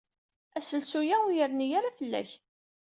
Aselsu-a ur yerni ara fell-ak.